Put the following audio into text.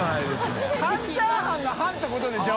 半チャーハンの半ってことでしょ？